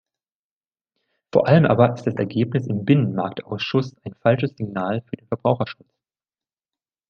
Vor allem aber ist das Ergebnis im Binnenmarktausschuss ein falsches Signal für den Verbraucherschutz.